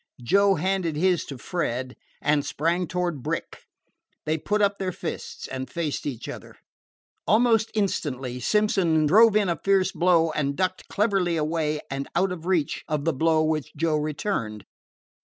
Joe handed his to Fred, and sprang toward Brick. They put up their fists and faced each other. Almost instantly Simpson drove in a fierce blow and ducked cleverly away and out of reach of the blow which Joe returned.